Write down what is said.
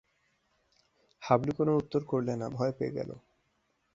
হাবলু কোনো উত্তর করলে না, ভয় পেয়ে গেল।